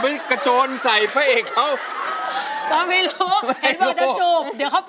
ไม่กระจนใส่พระเอกเขา